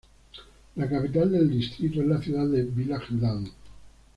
La capital del distrito es la ciudad de Villach-Land.